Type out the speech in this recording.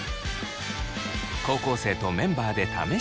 高校生とメンバーで試してみます。